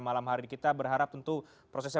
malam hari ini kita berharap tentu prosesnya